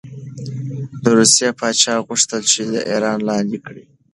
د روسیې پاچا غوښتل چې ایران لاندې کړي.